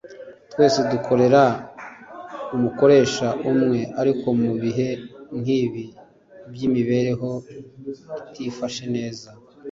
Twese dukorera umukoresha umwe ariko mu bihe nk’ibi by’imibereho itifashe neza